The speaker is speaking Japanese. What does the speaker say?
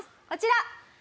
こちら！